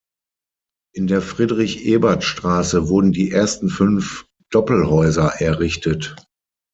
In der Friedrich-Ebert-Straße wurden die ersten fünf Doppelhäuser errichtet.